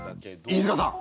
飯塚さん！